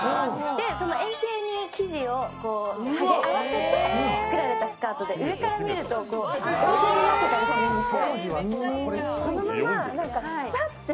円形に生地を合わせて作られたスカートで上から見ると円形になってたりするんですよ。